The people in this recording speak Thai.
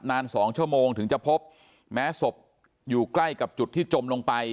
สองชั่วโมงถึงจะพบแม้ศพอยู่ใกล้กับจุดที่จมลงไป